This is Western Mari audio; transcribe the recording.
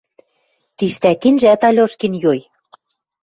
Тиштӓкенжӓт Алешкин йой.